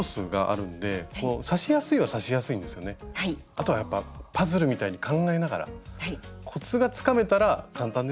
あとはやっぱパズルみたいに考えながらコツがつかめたら簡単ですよね。